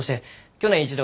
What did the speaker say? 去年一度？